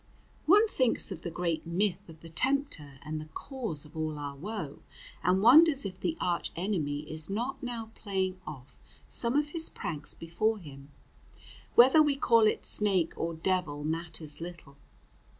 One thinks of the great myth of the Tempter and the "cause of all our woe," and wonders if the Arch Enemy is not now playing off some of his pranks before him. Whether we call it snake or devil matters little.